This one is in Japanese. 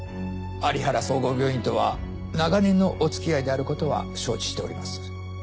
有原総合病院とは長年のおつきあいであることは承知しております。